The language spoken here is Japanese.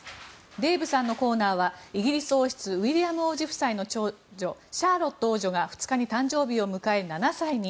デーブさんのコーナーはイギリス王室ウィリアム王子夫妻の長女シャーロット王女が２日に誕生日を迎え７歳に。